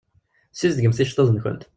Sizdegemt iceṭṭiḍen-nwent.